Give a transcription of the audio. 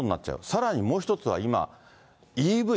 さらにもう１つは今、ＥＶ。